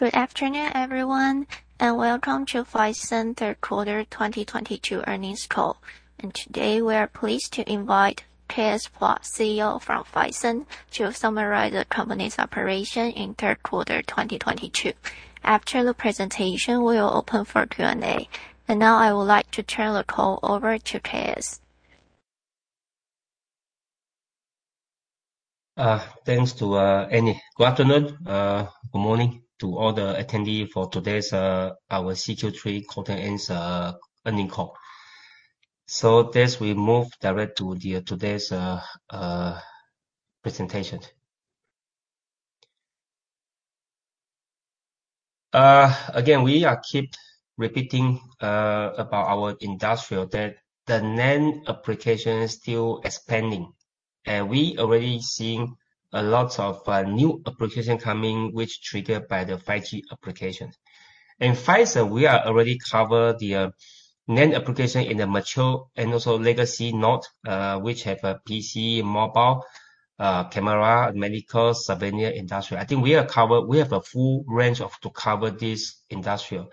Good afternoon, everyone, and welcome to Phison third quarter 2022 earnings call. Today we are pleased to invite K.S. Pua, CEO from Phison, to summarize the company's operation in third quarter 2022. After the presentation, we will open for Q&A. Now I would like to turn the call over to K.S. Thanks to Annie. Good afternoon, good morning to all the attendees for today's our Q3 quarter-end earnings call. With this we move directly to today's presentation. Again, we are keep repeating about our industry that the NAND application is still expanding. We already seeing a lot of new application coming, which triggered by the 5G applications. In Phison, we are already covered the NAND application in the mature and also legacy node, which have a PC, mobile, camera, medical, surveillance industry. I think we are covered. We have a full range to cover this industry.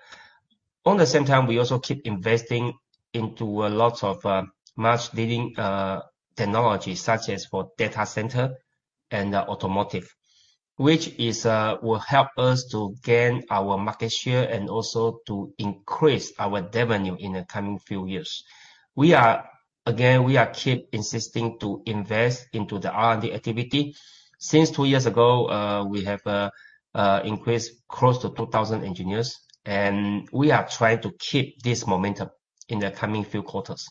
At the same time, we also keep investing into a lot of much leading technologies, such as for data center and automotive. This will help us to gain our market share and also to increase our revenue in the coming few years. We are, again, keep insisting to invest into the R&D activity. Since two years ago, we have increased close to 2,000 engineers, and we are trying to keep this momentum in the coming few quarters.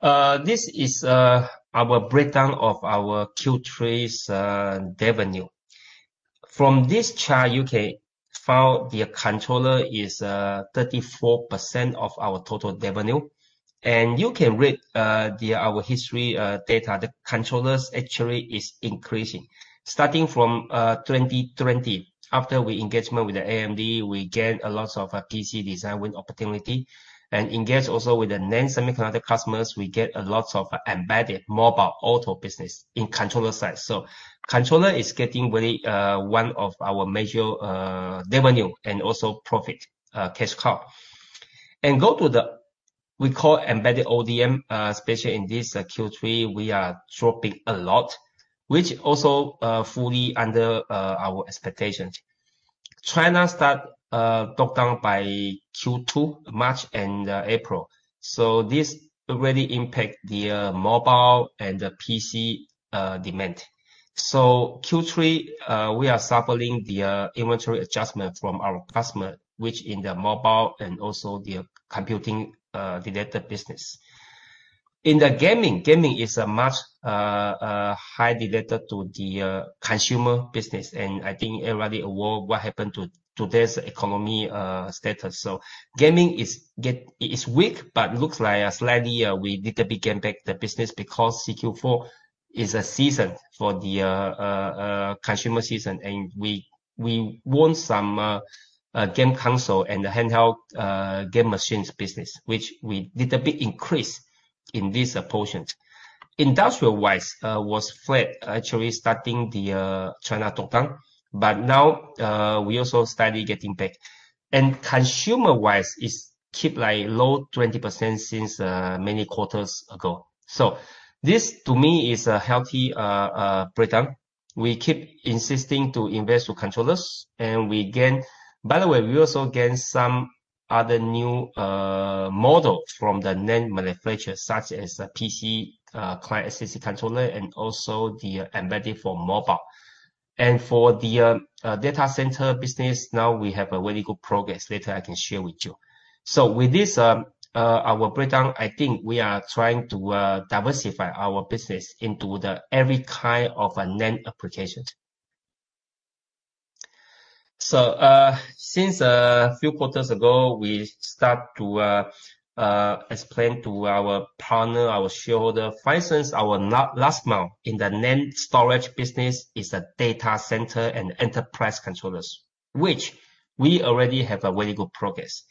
This is our breakdown of our Q3 revenue. From this chart, you can find the controller is 34% of our total revenue. You can read our historical data. The controllers actually is increasing. Starting from 2020, after our engagement with AMD, we gain a lot of PC design win opportunity. We engage also with the NAND semiconductor customers, we get a lot of embedded mobile auto business in controller side. Controller is getting very much one of our major revenue and also profit cash cow. Going to what we call embedded ODM, especially in this Q3, we are dropping a lot, which also fully under our expectations. China started lockdown by Q2, March and April. This really impact the mobile and the PC demand. Q3 we are suffering the inventory adjustment from our customer, which in the mobile and also the computing related business. In the gaming. Gaming is a much more highly related to the consumer business. I think everybody aware what happened to this economic status. Gaming is weak, but looks like slightly we little bit gain back the business because Q4 is a season for the consumer season and we won some game console and the handheld game machines business, which we little bit increased in this portion. Industrial-wise was flat, actually starting the China lockdown. Now we also slowly getting back. Consumer-wise is keep like low 20% since many quarters ago. This to me is a healthy breakdown. We keep insisting to invest to controllers. By the way, we also gain some other new model from the NAND manufacturer, such as the PC client SSD controller and also the embedded for mobile. For the data center business, now we have a very good progress. Later I can share with you. With this, our breakdown, I think we are trying to diversify our business into the every kind of a NAND applications. Since a few quarters ago, we start to explain to our partner, our shareholder, Phison's our last mile in the NAND storage business is the data center and enterprise controllers. Which we already have a very good progress.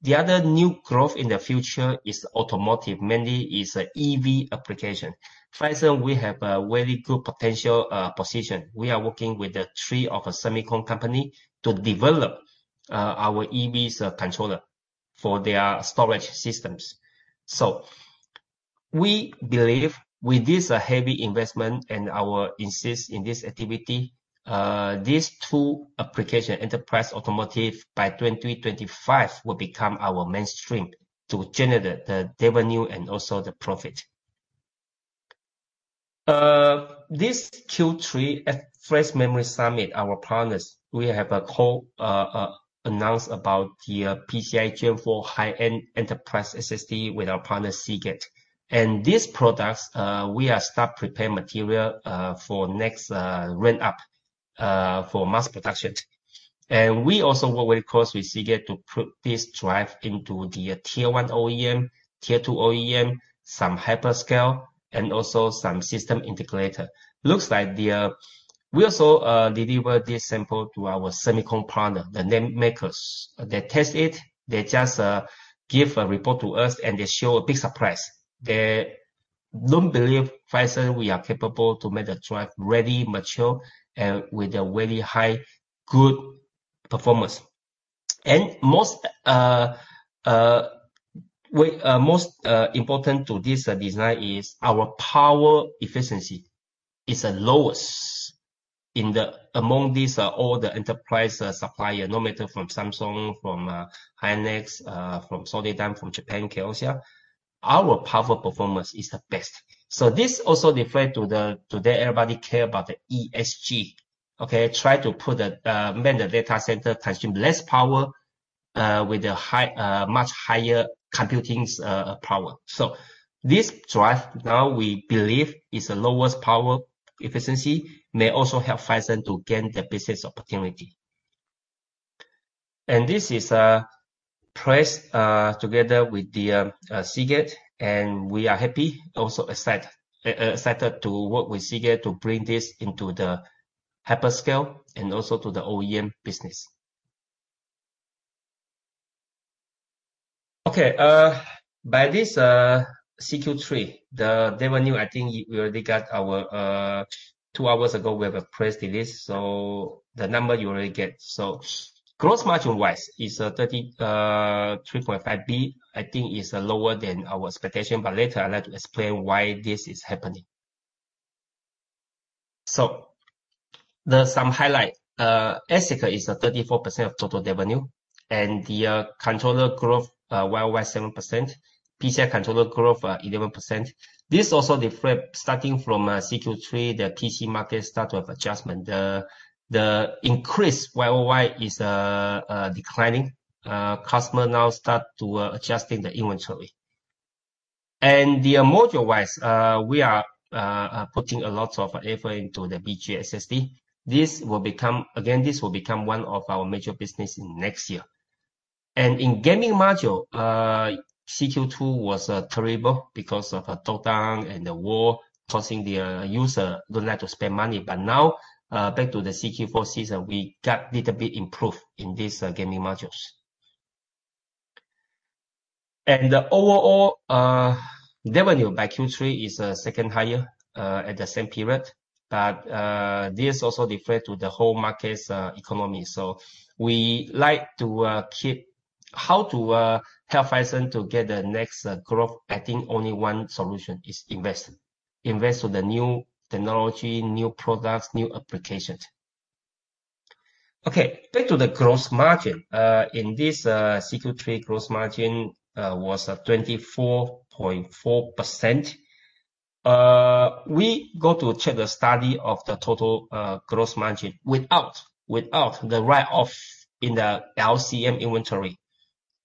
The other new growth in the future is automotive, mainly is EV application. Phison we have a very good potential position. We are working with the three of a silicon company to develop our EV's controller for their storage systems. We believe with this heavy investment and our insistence in this activity, these two applications, enterprise, automotive, by 2025, will become our mainstream to generate the revenue and also the profit. This Q3 at Flash Memory Summit, our partners, we have a announce about the PCIe Gen4 high-end enterprise SSD with our partner Seagate. These products, we are start prepare material, for next ramp up, for mass production. We also work very close with Seagate to put this drive into the Tier 1 OEM, Tier 2 OEM, some hyperscale, and also some system integrator. We also deliver this sample to our silicon partner, the NAND makers. They test it, they just give a report to us, and they show a big surprise. They don't believe Phison we are capable to make the drive ready, mature, and with a very high good performance. Most important to this design is our power efficiency is the lowest among all the enterprise suppliers, no matter from Samsung, from SK hynix, from Solidigm, from Japan KYOCERA, our power performance is the best. This also refer to the today everybody care about the ESG. Okay? Try to make the data center consume less power with much higher computing power. This drive now we believe is the lowest power efficiency, may also help Phison to gain the business opportunity. This is partnered together with the Seagate, and we are happy, excited to work with Seagate to bring this into the hyperscale and also to the OEM business. Okay, by this Q3, the revenue, I think we already got our. Two hours ago, we have a press release, so the number you already get. Gross margin-wise is 33.5%. I think it's lower than our expectation, but later I'd like to explain why this is happening. Some highlight. ASIC is the 34% of total revenue, and the controller growth YoY 7%, PCIe controller growth 11%. This also reflect starting from Q3, the PC market start of adjustment. The increase YoY is declining. Customers now start to adjust the inventory. The module-wise, we are putting a lot of effort into the BGA SSD. This will become one of our major business in next year. In gaming module, Q2 was terrible because of the lockdown and the war causing the user don't like to spend money. Now, back to the Q4 season, we got little bit improved in this gaming modules. The overall revenue by Q3 is second highest at the same period. This also refer to the whole market's economy. We like to keep. How to help Phison to get the next growth, I think only one solution, is invest. Invest in the new technology, new products, new applications. Okay, back to the gross margin. In this Q3 gross margin was 24.4%. We go to check the adjusted total gross margin without the write-off in the LCM inventory.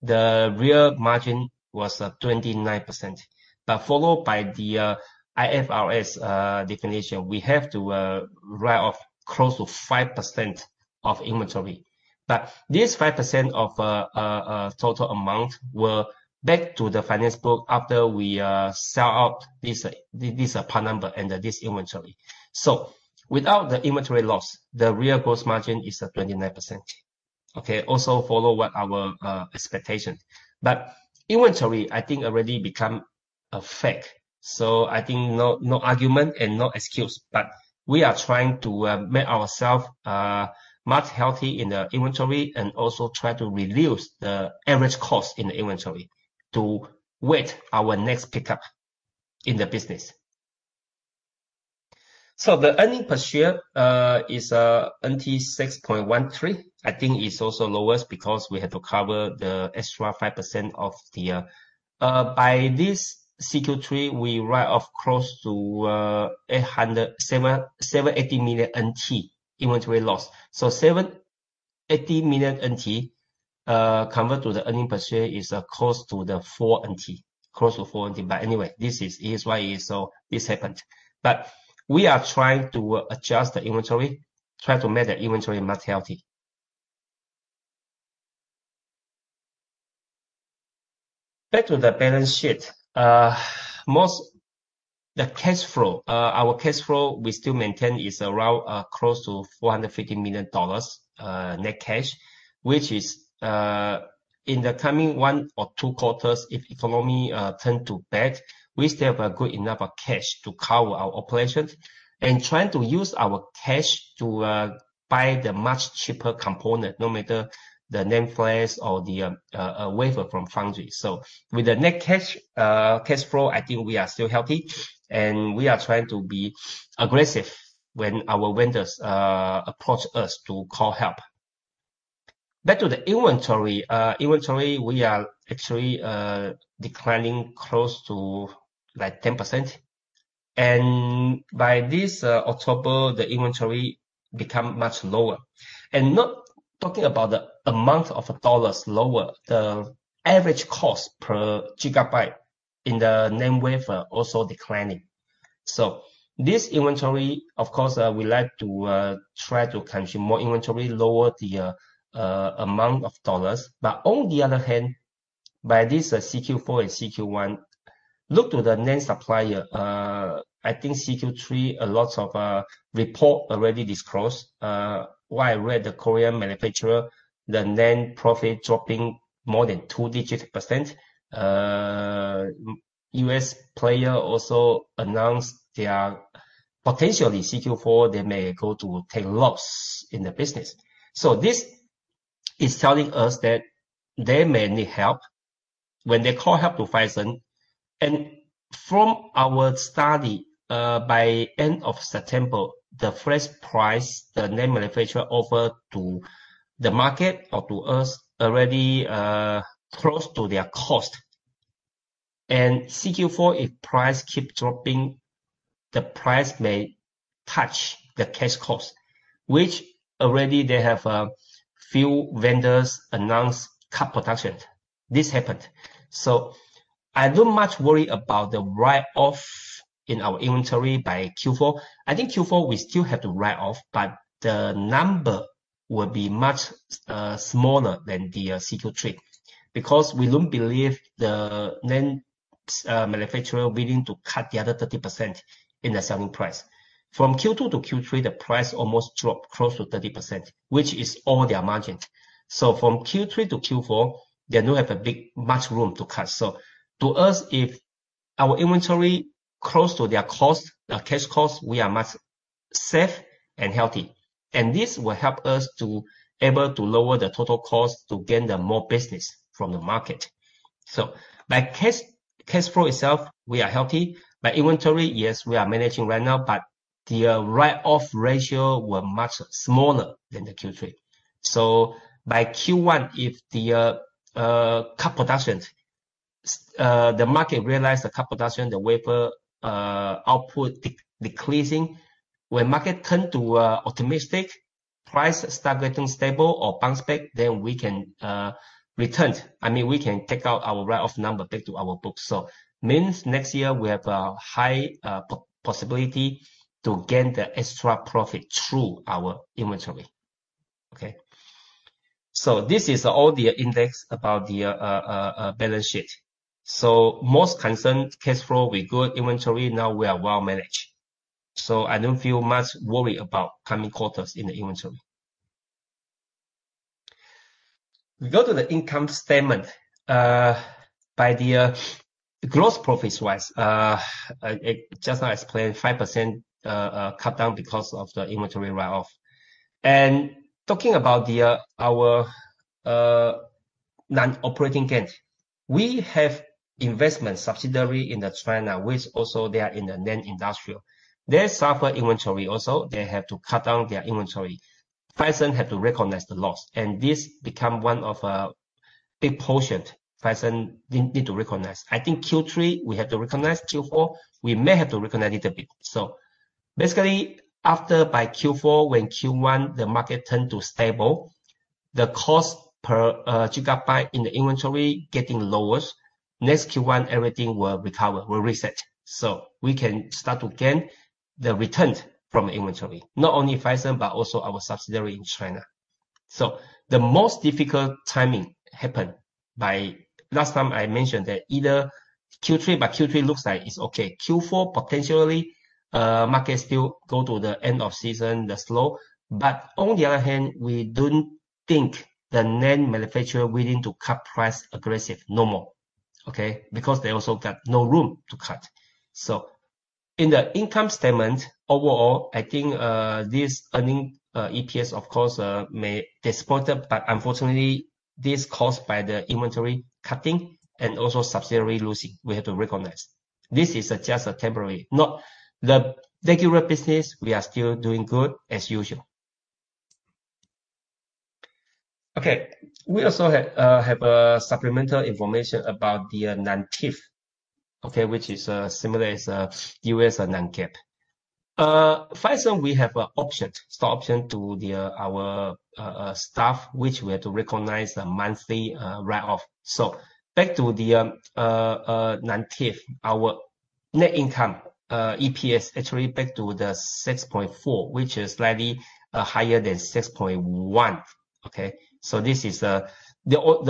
The real margin was 29%. For the IFRS definition, we have to write off close to 5% of inventory. This 5% of total amount were back to the finance book after we sell out this part number and this inventory. Without the inventory loss, the real gross margin is 29%. Okay? Also following our expectation. Inventory, I think already become a peak. I think no argument and no excuse, but we are trying to make ourselves much healthier in the inventory and also try to reduce the average cost in the inventory to await our next pickup in the business. The earnings per share is TWD 6.13 (New Taiwan Dollar). I think it's also lowest because we have to cover the extra 5% of the. By this Q3, we write off close to 780 million NT (New Taiwan Dollar) inventory loss. 780 million NT (New Taiwan Dollar) convert to the earnings per share is close to 4 NT (New Taiwan Dollar). Close to 4 NT (New Taiwan Dollar). But anyway, this is why this happened. But we are trying to adjust the inventory, try to make the inventory much healthier. Back to the balance sheet. The cash flow. Our cash flow, we still maintain is around close to $450 million net cash, which is in the coming one or two quarters, if economy turn to bad, we still have a good enough cash to cover our operations and trying to use our cash to buy the much cheaper component, no matter the NAND flash or the wafer from foundry. With the net cash cash flow, I think we are still healthy, and we are trying to be aggressive when our vendors approach us to call help. Back to the inventory. Inventory, we are actually declining close to, like, 10%. By this October, the inventory become much lower. Not talking about the amount of dollars lower, the average cost per gigabyte in the NAND wafer also declining. This inventory, of course, we like to try to consume more inventory, lower the amount of dollars. On the other hand, by this Q4 and Q1, look to the NAND supplier. I think Q3, a lot of report already disclosed. While I read the Korean manufacturer, the NAND profit dropping more than double-digit %. U.S. player also announced they are potentially Q4, they may go to take loss in the business. This is telling us that they may need help. When they call for help to Phison. From our study, by end of September, the first price the NAND manufacturer offered to the market or to us already close to their cost. Q4, if price keep dropping, the price may touch the cash cost, which already they have a few vendors announce cut production. This happened. I don't much worry about the write-off in our inventory by Q4. I think Q4 we still have to write off, but the number will be much smaller than the Q3. Because we don't believe the NAND manufacturer willing to cut the other 30% in the selling price. From Q2 to Q3, the price almost dropped close to 30%, which is all their margin. From Q3 to Q4, they don't have a big much room to cut. To us, if our inventory close to their cost, the cash cost, we are much safe and healthy. This will help us to able to lower the total cost to gain the more business from the market. By cash flow itself, we are healthy. By inventory, yes, we are managing right now, but the write-off ratio were much smaller than the Q3. By Q1, if they cut production, the market realized the cut production, the wafer output decreasing. When market turn around, price start getting stable or bounce back, then we can reverse. I mean, we can take out our write-off number back to our books. Means next year we have a high possibility to gain the extra profit through our inventory. Okay. This is all the index about the balance sheet. Most concerned cash flow, we good. Inventory, now we are well managed. I don't feel much worry about coming quarters in the inventory. We go to the income statement. By the gross profits-wise, just now I explained 5% cut down because of the inventory write-off. Talking about our non-operating gain. We have investment subsidiary in China, which also they are in the NAND industry. They suffer inventory also. They have to cut down their inventory. Phison had to recognize the loss, and this become one of big portion Phison need to recognize. I think Q3 we have to recognize. Q4, we may have to recognize it a bit. Basically, after by Q4, when Q1, the market turn to stable, the cost per gigabyte in the inventory getting lower. Next Q1, everything will recover. We'll reset. We can start to gain the return from inventory. Not only Phison, but also our subsidiary in China. The most difficult timing happened by last time I mentioned that either Q3, but Q3 looks like it's okay. Q4 potentially, market still go to the end of season, the slow. On the other hand, we don't think the NAND manufacturer willing to cut price aggressive no more. Okay. Because they also got no room to cut. In the income statement, overall, I think this earning, EPS of course may disappointed, but unfortunately, this caused by the inventory cutting and also subsidiary losing, we have to recognize. This is just a temporary. No, the regular business, we are still doing good as usual. Okay. We also have supplemental information about the non-TIF, okay, which is similar as U.S. and non-GAAP. Phison we have a option, stock option to our staff, which we have to recognize the monthly write-off. Back to the non-TIF. Our net income EPS actually back to the 6.4, which is slightly higher than 6.1. Okay? This is the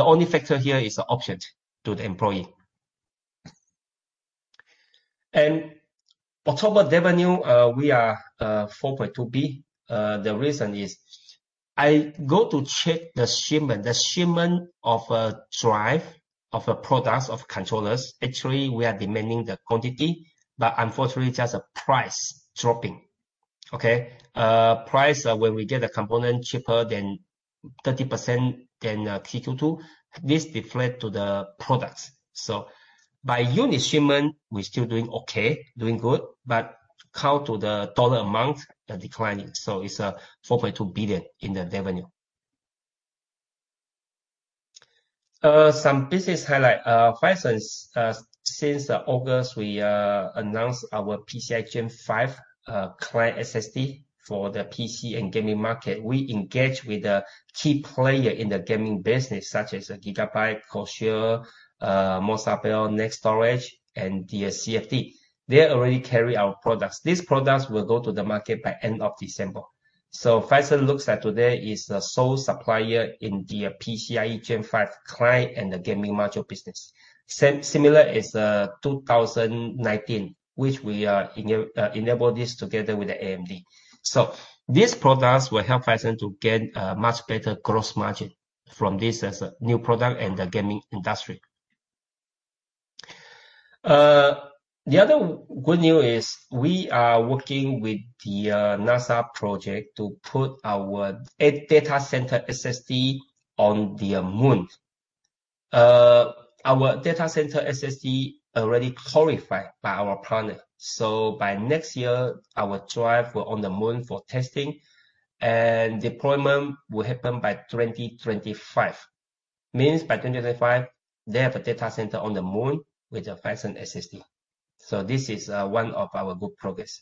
only factor here is the option to the employee. October revenue we are 4.2 billion. The reason is I go to check the shipment. The shipment of a drive, of a products, of controllers. Actually, we are maintaining the quantity, but unfortunately, just the price dropping. Okay? Price when we get a component cheaper by 30% than Q2, this reflects to the products. By unit shipment, we're still doing okay, doing good, but comes to the dollar amount declining. It's 4.2 billion in the revenue. Some business highlight. Phison's since August, we announced our PCIe Gen 5 client SSD for the PC and gaming market. We engage with the key player in the gaming business such as GIGABYTE, Corsair, MSI, Nextorage and CFD. They already carry our products. These products will go to the market by end of December. Phison looks like today is the sole supplier in the PCIe Gen 5 client and the gaming module business. Similar is 2019, which we are enable this together with the AMD. These products will help Phison to gain much better gross margin from this as a new product in the gaming industry. The other good news is we are working with the NASA project to put our data center SSD on the moon. Our data center SSD already qualified by our partner. By next year, our drive will be on the moon for testing and deployment will happen by 2025. That means by 2025, they have a data center on the moon with a Phison SSD. This is one of our good progress.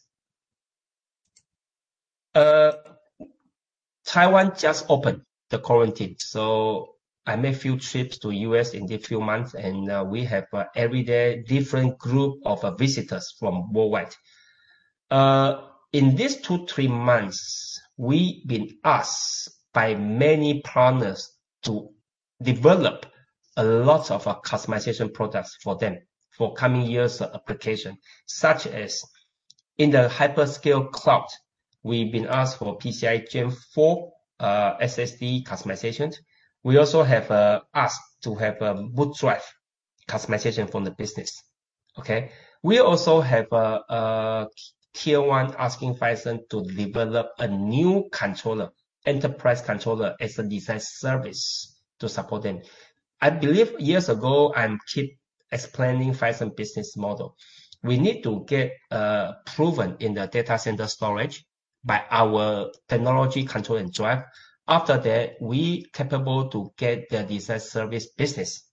Taiwan just opened the quarantine. I made few trips to U.S. in the few months, and we have every day different group of visitors from worldwide. In these two, three months, we've been asked by many partners to develop a lot of customization products for them for coming years application, such as in the hyperscale cloud, we've been asked for PCIe Gen4 SSD customization. We also have been asked to have a boot drive customization from the business. Okay? We also have Tier 1 asking Phison to develop a new controller, enterprise controller as a design service to support them. I believe years ago, I'm keep explaining Phison business model. We need to get proven in the data center storage by our technology, control and drive. After that, we capable to get the design service business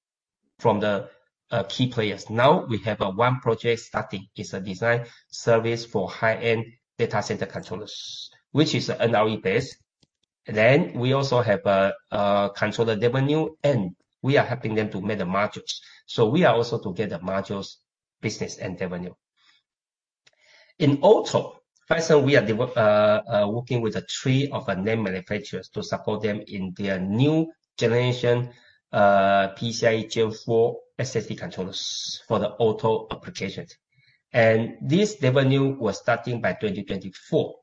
from the key players. Now we have one project starting. It's a design service for high-end data center controllers, which is an ROE base. Then we also have a controller revenue, and we are helping them to make the modules. So we are also to get the modules business and revenue. In auto, Phison, we are working with three of the NAND manufacturers to support them in their new generation, PCIe Gen4 SSD controllers for the auto applications. This revenue was starting by 2024,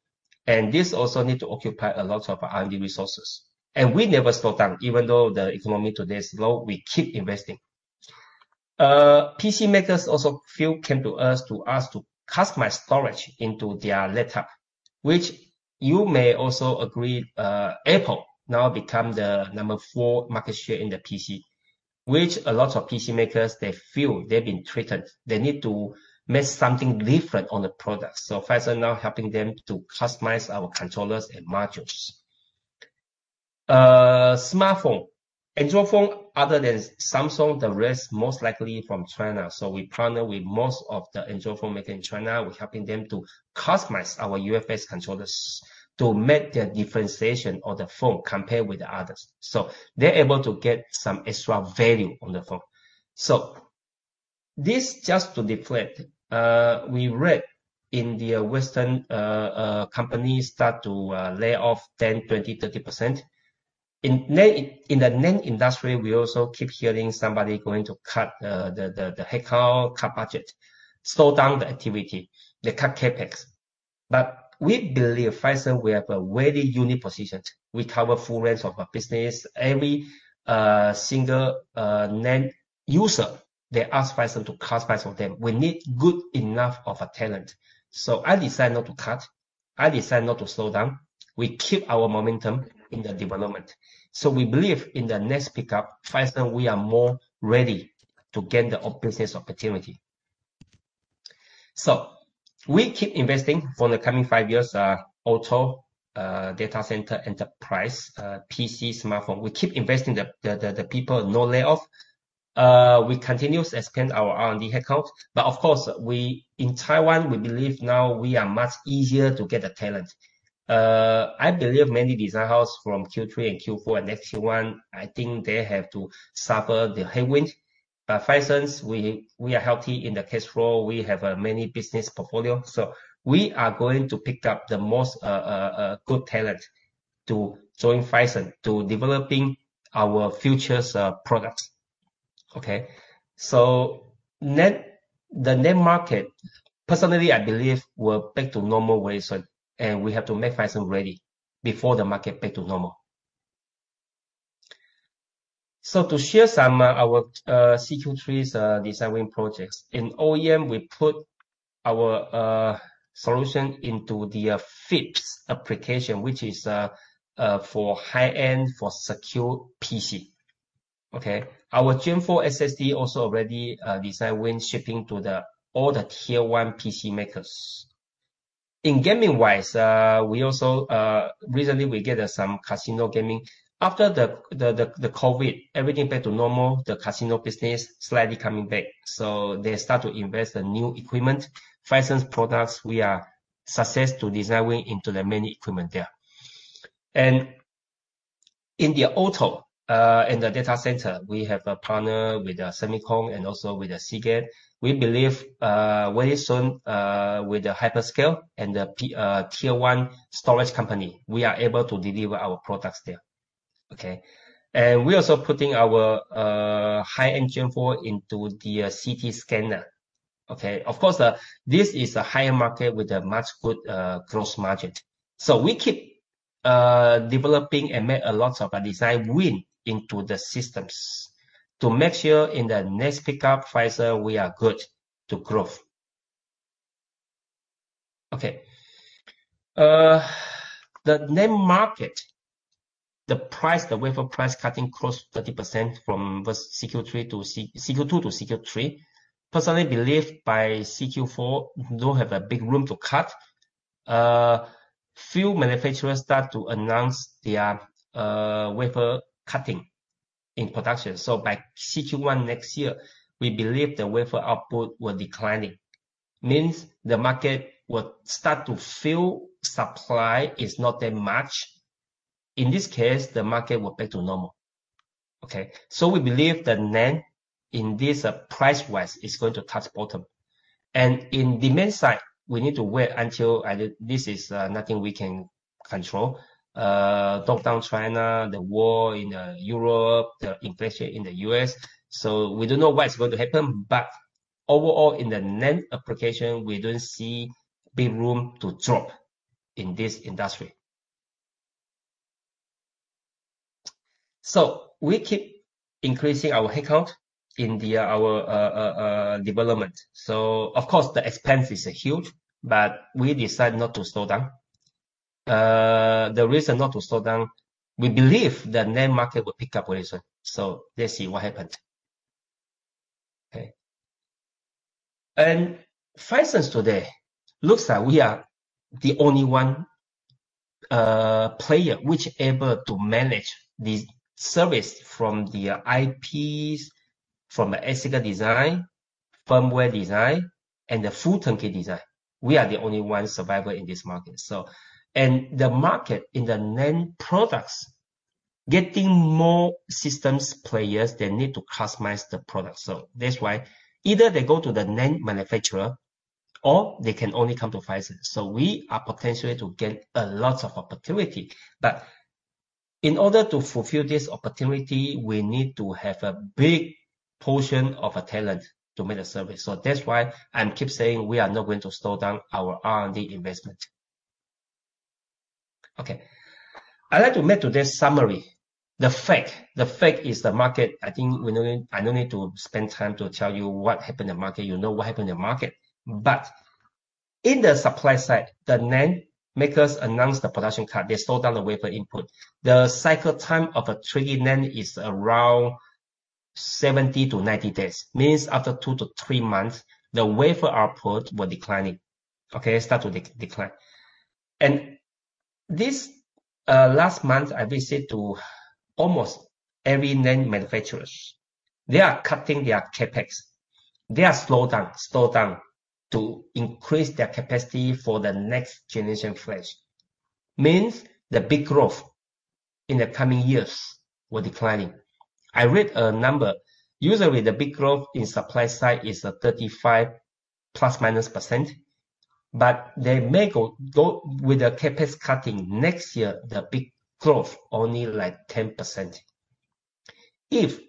and this also need to occupy a lot of R&D resources. We never slow down, even though the economy today is low, we keep investing. PC makers also a few came to us to ask to customize storage into their laptop, which you may also agree, Apple now become the number four market share in the PC, which a lot of PC makers, they feel they've been threatened. They need to make something different on the product. Phison now helping them to customize our controllers and modules. Smartphone. Android phone, other than Samsung, the rest most likely from China. We partner with most of the Android phone made in China. We're helping them to customize our UFS controllers to make the differentiation of the phone compared with the others. They're able to get some extra value on the phone. This just to deflect, we read in the Western companies start to lay off 10%, 20%, 30%. In the NAND industry, we also keep hearing somebody going to cut the headcount, cut budget, slow down the activity, they cut CapEx. We believe, Phison, we have a very unique position. We cover full range of our business. Every single NAND user, they ask Phison to customize for them. We need good enough of a talent. I decide not to cut, I decide not to slow down. We keep our momentum in the development. We believe in the next pickup, Phison, we are more ready to get the business opportunity. We keep investing for the coming five years, auto, data center, enterprise, PC, smartphone. We keep investing in the people, no layoff. We continuously expand our R&D headcount. Of course, in Taiwan, we believe now we are much easier to get the talent. I believe many design house from Q3 and Q4 and next Q1, I think they have to suffer the headwind. Phison, we are healthy in the cash flow. We have many business portfolio. We are going to pick up the most good talent to join Phison to developing our future products. Okay? The NAND market, personally, I believe will back to normal very soon, and we have to make Phison ready before the market back to normal. To share some of our Q2, Q3's design-in projects. In OEM, we put our solution into the FIPS application, which is for high-end secure PC. Our Gen4 SSD also already design-win shipping to all the Tier 1 PC makers. Gaming-wise, we also recently get some casino gaming. After the COVID, everything back to normal, the casino business slowly coming back. They start to invest in new equipment. Phison's products, we are successful in designing into many equipment there. In automotive, in the data center, we have a partner with SemiKong and also with Seagate. We believe very soon with the hyperscalers and the Tier 1 storage companies, we are able to deliver our products there. We're also putting our high-end Gen4 into the CT scanner. Of course, this is a higher market with a much higher growth margin. We keep developing and make a lot of design win into the systems to make sure in the next pickup phase we are good to growth. The NAND market, the price, the wafer price cutting close 30% from the Q2 to Q3. Personally believe by Q4, don't have a big room to cut. Few manufacturers start to announce their wafer cutting in production. By Q1 next year, we believe the wafer output will declining. Means the market will start to feel supply is not that much. In this case, the market will back to normal. We believe the NAND in this price-wise is going to touch bottom. In demand side, we need to wait until this is nothing we can control. Downturn in China, the war in Europe, the inflation in the U.S. We don't know what's going to happen, but overall, in the NAND application, we don't see big room to drop in this industry. We keep increasing our headcount in our development. Of course, the expense is huge, but we decide not to slow down. The reason not to slow down, we believe the NAND market will pick up very soon. Let's see what happens. Okay. Phison today looks like we are the only one player which able to manage the service from the IPs, from ASIC design, firmware design, and the full turnkey design. We are the only one survivor in this market. The market in the NAND products getting more systems players that need to customize the product. That's why either they go to the NAND manufacturer or they can only come to Phison. We are potentially to get a lot of opportunity. In order to fulfill this opportunity, we need to have a big portion of talent to make the service. That's why I'm keep saying we are not going to slow down our R&D investment. Okay. I'd like to make today's summary. The fact is the market, I think I no need to spend time to tell you what happened in the market. You know what happened in the market. In the supply side, the NAND makers announced the production cut. They slow down the wafer input. The cycle time of a 3D NAND is around 70-90 days. That means after two to three months, the wafer output was declining. They start to decline. This last month, I visited almost every NAND manufacturer. They are cutting their CapEx. They are slowing down to increase their capacity for the next-generation flash. That means the bit growth in the coming years is declining. I read a number. Usually, the bit growth in supply side is ±35%, but they may go with the CapEx cutting next year, the bit growth only like 10%. If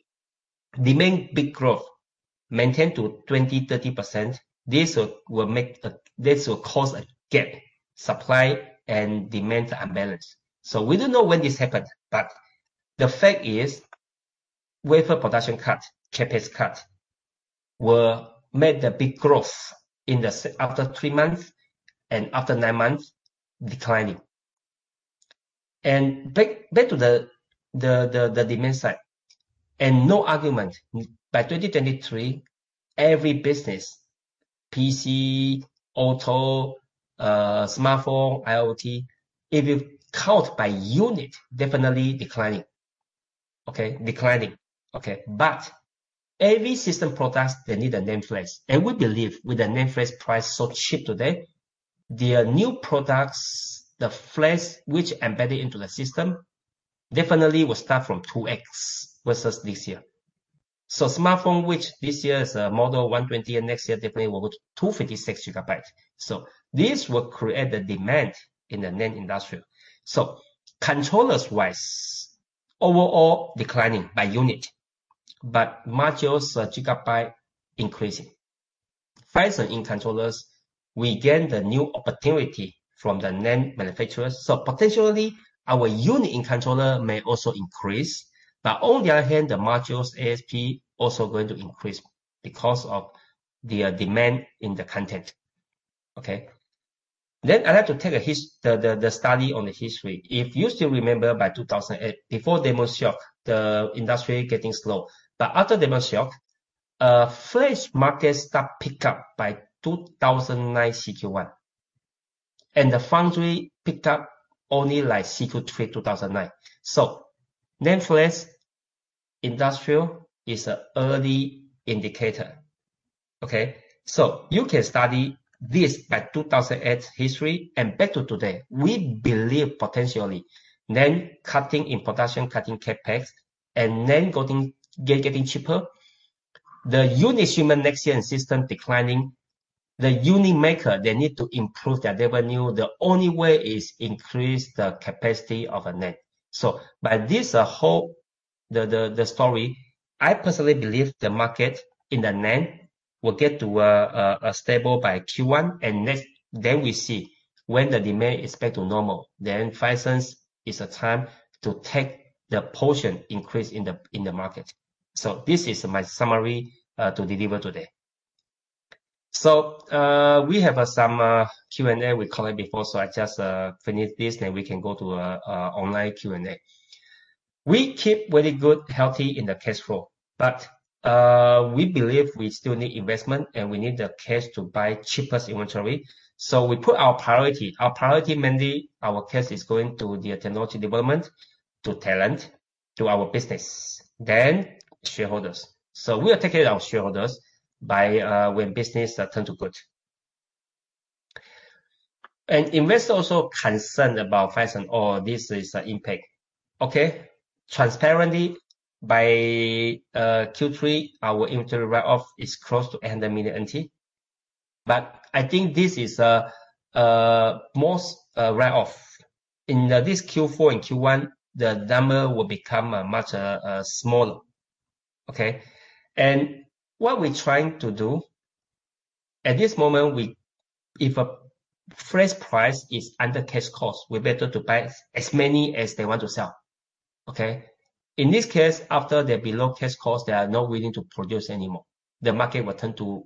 demand bit growth maintains 20%-30%, this will make a gap. This will cause a gap, supply and demand unbalanced. We don't know when this happened, but the fact is, wafer production cut, CapEx cut, will make the big growth in the sector after three months and after nine months declining. Back to the demand side, and no argument, by 2023, every business, PC, auto, smartphone, IoT, if you count by unit, definitely declining. Okay? Declining. Okay. Every system products, they need a NAND flash. We believe with the NAND flash price so cheap today, their new products, the flash which embedded into the system, definitely will start from 2x versus this year. Smartphone, which this year is model 120, and next year definitely will go to 256 GB. This will create the demand in the NAND industry. Controllers-wise, overall declining by unit, but modules gigabyte increasing. Phison in controllers, we gain the new opportunity from the NAND manufacturers. Potentially, our unit in controller may also increase. On the other hand, the modules ASP also going to increase because of the demand in the content. Okay? I like to take the study on the history. If you still remember in 2008, before Lehman shock, the industry getting slow. After Lehman shock, flash market start pick up in 2009 Q1, and the foundry picked up only like Q3 2009. NAND flash industry is a early indicator. Okay? You can study this the 2008 history and back to today. We believe potentially NAND cutting in production, cutting CapEx, and NAND getting cheaper. The unit volume next year and system declining. The unit maker, they need to improve their revenue. The only way is increase the capacity of a NAND. By this whole story, I personally believe the market in the NAND will get to a stable by Q1, and next, then we see when the demand is back to normal, then Phison is a time to take the portion increase in the market. This is my summary to deliver today. We have some Q&A we collect before, so I just finish this, then we can go to online Q&A. We keep very good healthy in the cash flow, but we believe we still need investment, and we need the cash to buy cheapest inventory. We put our priority. Our priority mainly our cash is going to the technology development, to talent, to our business, then shareholders. We are taking our shareholders by when business turn to good. Investors also concerned about Phison, this is an impact. Okay. Transparently, by Q3, our inventory write-off is close to 1 million NT (New Taiwan Dollar). I think this is most write-off. In this Q4 and Q1, the number will become much smaller. Okay. What we're trying to do, at this moment, we if a flash price is under cash cost, we better to buy as many as they want to sell. Okay. In this case, after they're below cash cost, they are not willing to produce anymore. The market will turn to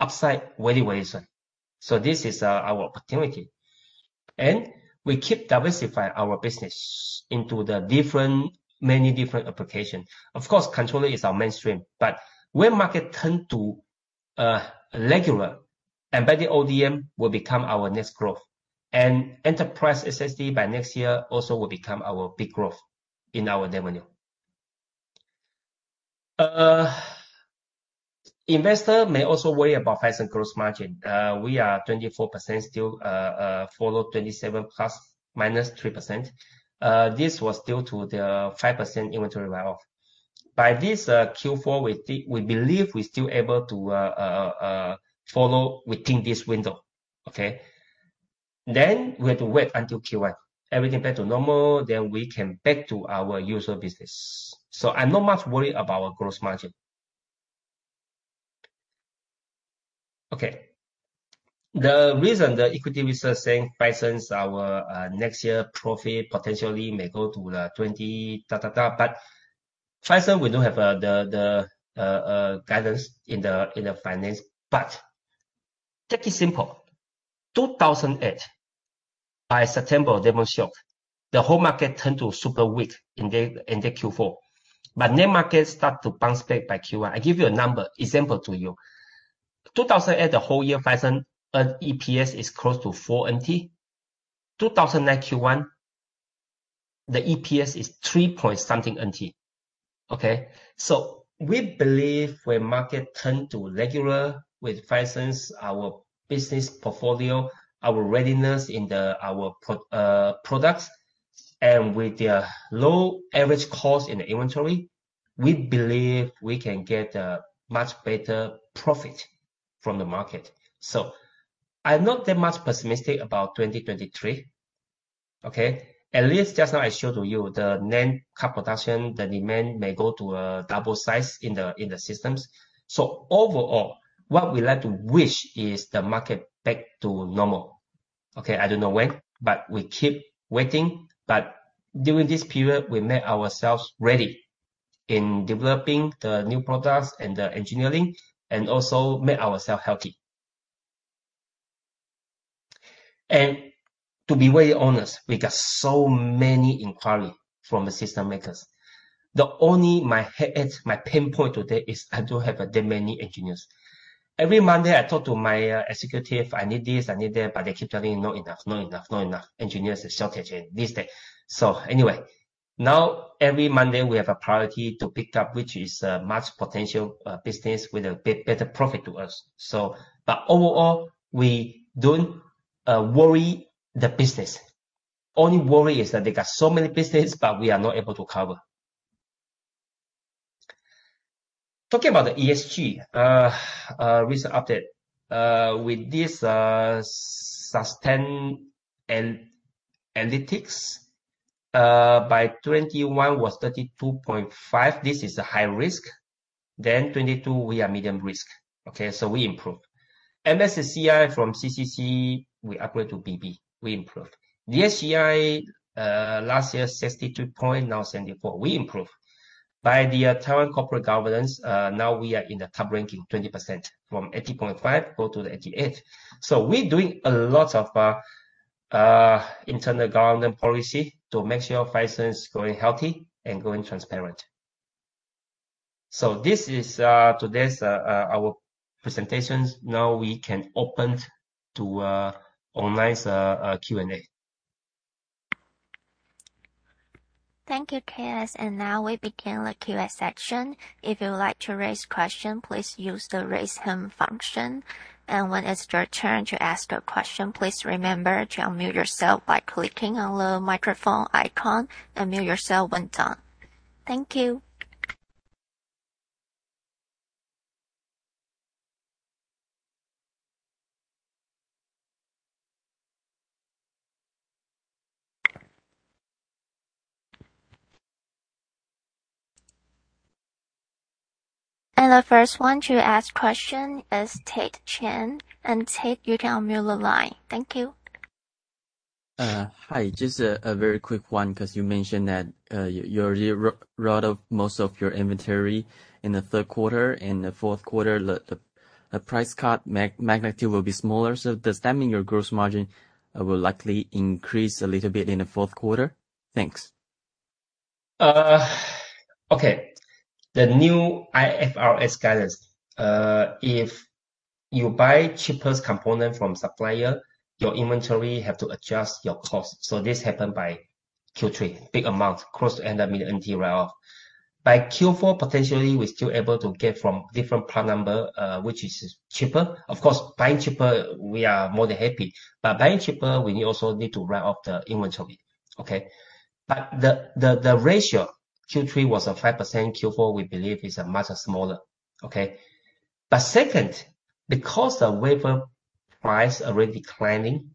upside very, very soon. This is our opportunity. We keep diversifying our business into the different, many different application. Of course, controller is our mainstream, but when market turn to regular, embedded ODM will become our next growth. Enterprise SSD by next year also will become our big growth in our revenue. Investor may also worry about Phison gross margin. We are 24% still, follow 27% ± 3%. This was due to the 5% inventory write-off. By this Q4, we believe we still able to follow within this window. Okay? Then we have to wait until Q1. Everything back to normal, then we can back to our usual business. So I'm not much worried about our gross margin. Okay. The reason the equity research saying Phison's, our, next year profit potentially may go to the twenty. Phison, we don't have the guidance in the finance. Take it simple. 2008, by September, Lehman shock. The whole market turned to super weak in the Q4. NAND market start to bounce back by Q1. I give you a number example to you. 2008, the whole year Phison earn EPS is close to 4 NT (New Taiwan Dollar). 2009 Q1, the EPS is 3 point something (New Taiwan Dollar). Okay? We believe when market turn to regular with Phison's, our business portfolio, our readiness in the, our products, and with the low average cost in the inventory, we believe we can get a much better profit from the market. I'm not that much pessimistic about 2023. Okay? At least just now I showed to you the NAND cap production, the demand may go to double size in the systems. Overall, what we like to wish is the market back to normal. Okay? I don't know when, but we keep waiting. During this period, we make ourselves ready in developing the new products and the engineering, and also make ourselves healthy. To be very honest, we got so many inquiries from the system makers. The only my head, my pain point today is I don't have that many engineers. Every Monday, I talk to my executive, I need this, I need that, but they keep telling me, "Not enough, not enough, not enough. Engineers is shortage," and this, that. Now every Monday we have a priority to pick up, which is much potential business with a better profit to us. Overall, we don't worry about the business. Only worry is that they got so many businesses, but we are not able to cover. Talking about the ESG recent update. With this Sustainalytics in 2021 was 32.5. This is a high risk. Then 2022, we are medium risk. Okay. We improved. MSCI from CCC, we upgrade to BB. We improved. The SGI last year 62, now 74. We improved. In the Taiwan corporate governance, now we are in the top ranking 20% from 80.5 to 88. We're doing a lot of internal governance policy to make sure Phison is going healthy and going transparent. This is today's our presentations. Now we can open to online's Q&A. Thank you, K.S. Now we begin the Q&A section. If you would like to raise a question, please use the Raise Hand function. When it's your turn to ask a question, please remember to unmute yourself by clicking on the microphone icon, and mute yourself when done. Thank you. The first one to ask a question is Tate Chen. Tate, you can unmute the line. Thank you. Hi. Just a very quick one, 'cause you mentioned that you already got rid of most of your inventory in the third quarter. In the fourth quarter, the price cut magnitude will be smaller. Does that mean your gross margin will likely increase a little bit in the fourth quarter? Thanks. Okay. The new IFRS guidance, if you buy cheapest component from supplier, your inventory have to adjust your cost. This happened by Q3, big amount, cost end up in the write-off. By Q4, potentially, we're still able to get from different part number, which is cheaper. Of course, buying cheaper we are more than happy. But buying cheaper, we also need to write off the inventory. Okay. The ratio, Q3 was a 5%. Q4 we believe is a much smaller. Okay? Second, because the wafer price already declining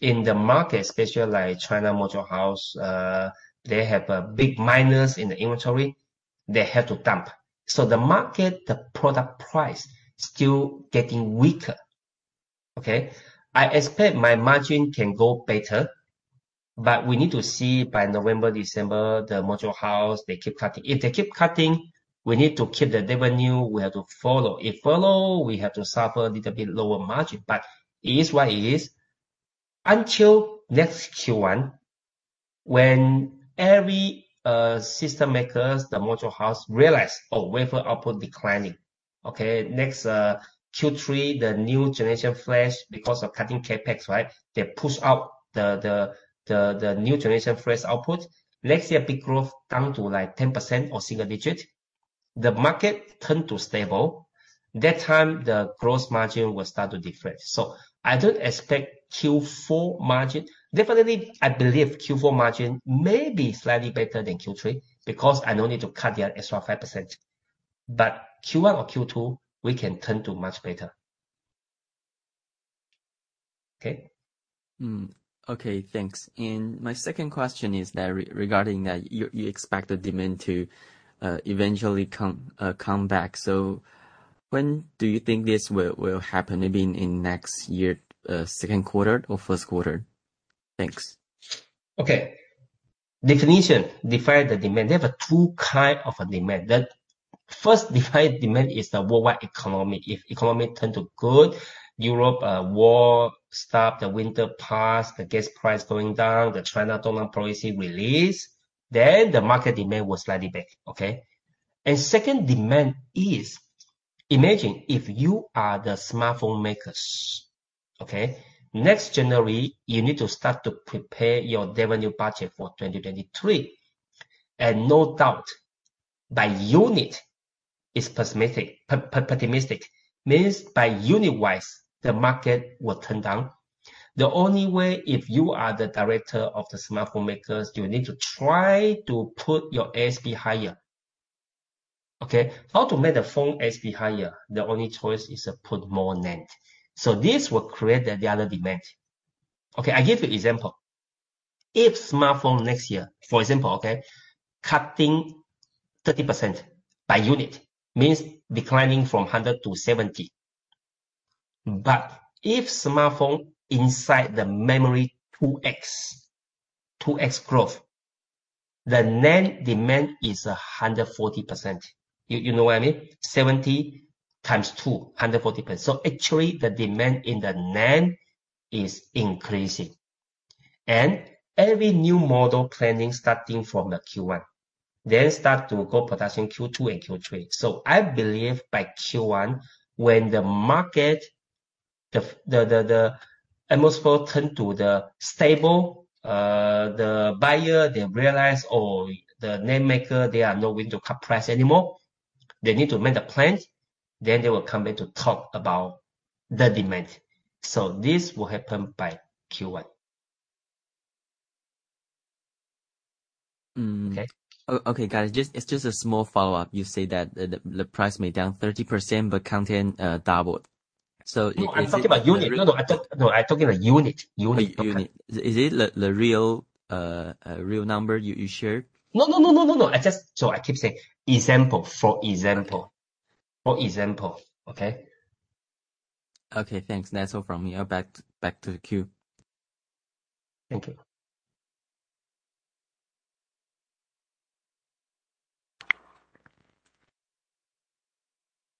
in the market, especially like China module house, they have a big minus in the inventory. They have to dump. So the market, the product price still getting weaker. Okay? I expect my margin can go better, but we need to see by November, December, the module house, they keep cutting. If they keep cutting, we need to keep the revenue, we have to follow. If follow, we have to suffer a little bit lower margin. It is what it is. Until next Q1, when every system makers, the module house realize, "Oh, wafer output declining." Okay? Next, Q3, the new generation flash because of cutting CapEx, right? They push out the new generation flash output. Next year bit growth down to like 10% or single digit. The market turn to stable. That time the gross margin will start to differ. I don't expect Q4 margin. Definitely, I believe Q4 margin may be slightly better than Q3, because I no need to cut their extra 5%. Q1 or Q2, we can turn to much better. Okay. Okay, thanks. My second question is that regarding that you expect the demand to eventually come back. When do you think this will happen? I mean, in next year, second quarter or first quarter? Thanks. Okay. Define the demand. There are two kinds of demand. The first demand is the worldwide economy. If economy turn to good, Europe war stop, the winter pass, the gas price going down, the China dollar policy release, then the market demand will slightly back. Okay? Second demand is, imagine if you are the smartphone makers, okay? Next January, you need to start to prepare your revenue budget for 2023. No doubt, by unit it's pessimistic. Means by unit wise, the market will turn down. The only way, if you are the Director of the smartphone makers, you need to try to put your ASP higher. Okay? How to make the phone ASP higher? The only choice is to put more NAND. This will create the other demand. Okay, I give you example. If smartphone next year, for example, okay, cutting 30% by unit, means declining from 100 to 70. If smartphone inside the memory 2x growth, the NAND demand is 140%. You know what I mean? 70 x 2, 140%. Actually the demand in the NAND is increasing. Every new model planning starting from the Q1, then start to go production Q2 and Q3. I believe by Q1, when the market, the atmosphere turn to the stable, the buyer, they realize or the NAND maker, they are not going to cut price anymore. They need to make the plans. They will come back to talk about the demand. This will happen by Q1. Hmm. Okay. Okay, got it. It's just a small follow-up. You say that the price may go down 30%, but content doubled. No, I'm talking about unit. Unit. Oh, unit. Is it the real number you shared? No. I keep saying example. For example. For example, okay? Okay, thanks. That's all from here. Back to the queue. Thank you.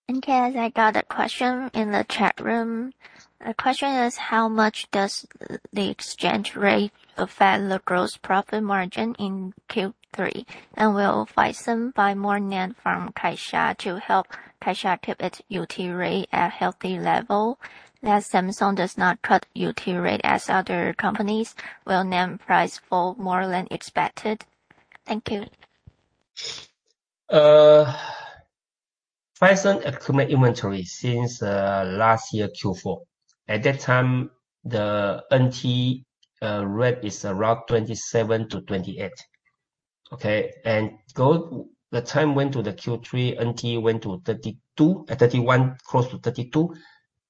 K.S., I got a question in the chat room. The question is, how much does the exchange rate affect the gross profit margin in Q3? Will Phison buy more NAND from Kioxia to help Kioxia keep its utilization rate at healthy level, that Samsung does not cut utilization rate as other companies will NAND price fall more than expected? Thank you. Phison accumulate inventory since last year Q4. At that time, the NT rate is around 27-28. The time went to the Q3, NT went to 32, 31, close to 32.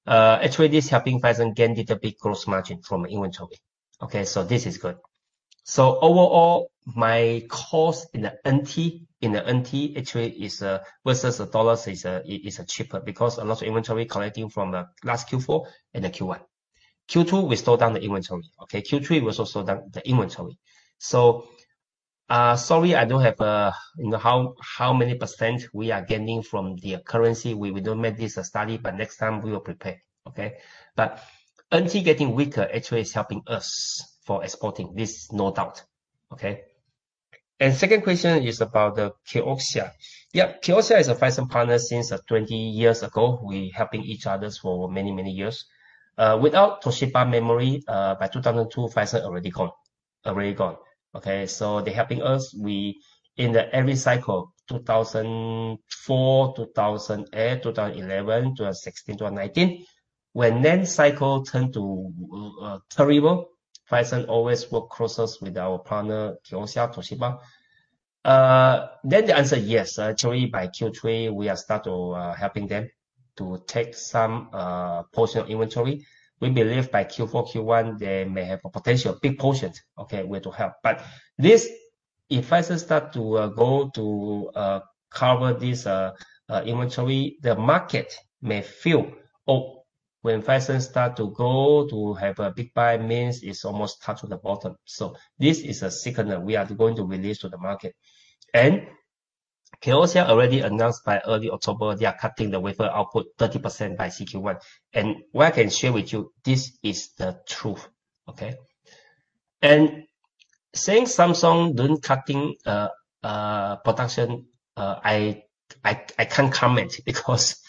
Actually this helping Phison gain little bit gross margin from inventory. This is good. Overall, my cost in the NT actually is versus the dollars is cheaper because a lot of inventory collecting from the last Q4 and the Q1. Q2, we drew down the inventory. Q3, we also drew down the inventory. Sorry, I don't have you know, how many percent we are gaining from the currency. We don't make this a study, but next time we will prepare. NT getting weaker actually is helping us for exporting. This is no doubt. Okay. Second question is about the Kioxia. Yeah. Kioxia is a Phison partner since 20 years ago. We helping each others for many, many years. Without Toshiba Memory, by 2002, Phison already gone. Already gone, okay. They're helping us in every cycle, 2004, 2008, 2011, 2016 to 2019, when NAND cycle turn to terrible, Phison always work closely with our partner, Kioxia, Toshiba. Then the answer, yes. Actually, by Q3, we are start to helping them to take some portion of inventory. We believe by Q4, Q1, they may have a potential big portion, okay, we're to help. This, if Phison start to go to cover this inventory, the market may feel, "Oh, when Phison start to go to have a big buy means it's almost touch to the bottom." This is a signal we are going to release to the market. Kioxia already announced by early October they are cutting the wafer output 30% by CQ1. What I can share with you, this is the truth. Okay? Saying Samsung don't cutting production, I can't comment because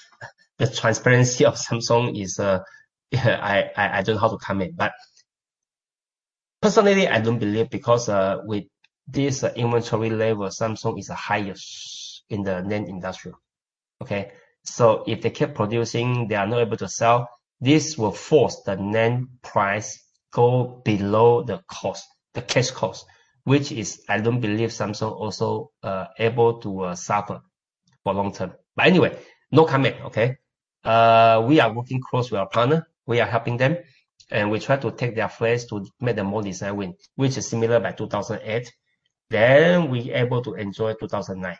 the transparency of Samsung is yeah, I don't know how to comment. Personally, I don't believe because with this inventory level, Samsung is highest in the NAND industry. Okay? If they keep producing, they are not able to sell, this will force the NAND price go below the cost, the cash cost, which is, I don't believe Samsung also able to suffer for long term. Anyway, no comment. Okay? We are working close with our partner. We are helping them. We try to take their flash to make the more design win, which is similar to 2008. We able to enjoy 2009,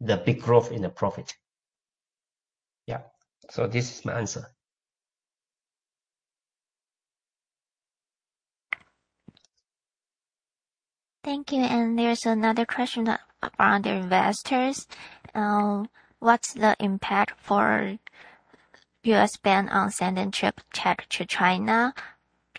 the bit growth in the profit. Yeah. This is my answer. Thank you. There's another question from the investors. What's the impact of the U.S. ban on sending chip tech to China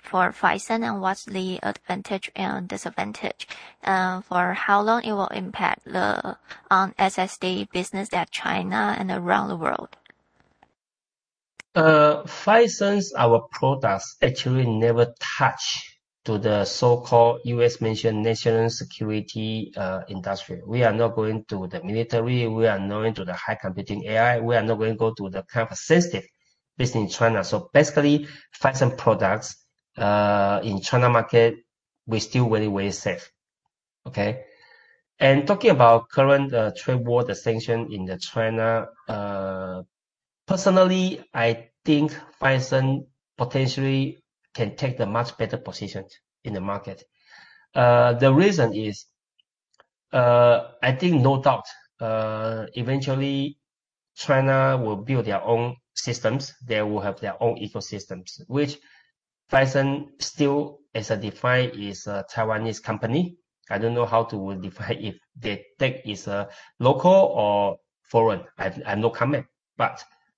for Phison, and what's the advantage and disadvantage? For how long it will impact the SSD business in China and around the world? Phison's our products actually never touch to the so-called U.S.-mentioned national security industry. We are not going to the military. We are not going to the high computing AI. We are not going to go to the kind of sensitive business in China. Basically, Phison products in China market, we're still very, very safe. Okay? Talking about current trade war, the sanction in the China, personally, I think Phison potentially can take the much better position in the market. The reason is, I think no doubt, eventually China will build their own systems. They will have their own ecosystems, which Phison still as a define is a Taiwanese company. I don't know how to define if the tech is local or foreign. I no comment.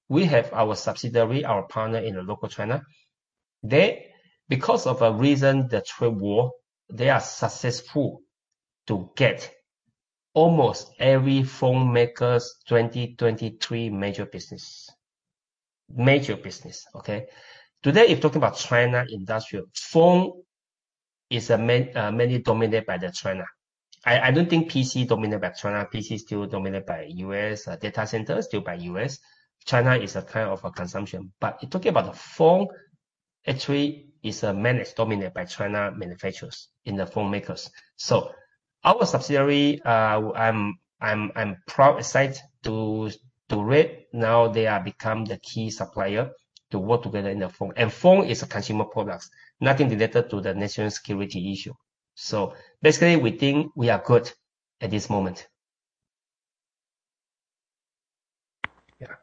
We have our subsidiary, our partner in the local China. They, because of a reason, the trade war, they are successful to get almost every phone makers' 2023 major business. Major business, okay? Today, if talking about China industrial, phone is mainly dominated by the China. I don't think PC dominated by China. PC is still dominated by U.S. Data center is still by U.S. China is a kind of a consumption. Talking about the phone, actually is mainly dominated by China manufacturers in the phone makers. Our subsidiary, I'm proud, excited to read now they are become the key supplier to work together in the phone. Phone is a consumer products, nothing related to the national security issue. Basically, we think we are good at this moment. Yeah.